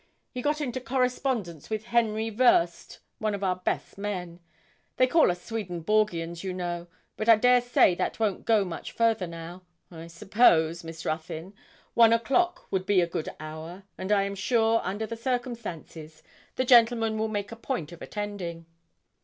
He got into correspondence with Henry Voerst, one of our best men. They call us Swedenborgians, you know; but I dare say that won't go much further, now. I suppose, Miss Ruthyn, one o'clock would be a good hour, and I am sure, under the circumstances, the gentlemen will make a point of attending.'